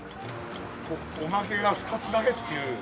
おまけが２つだけっていう。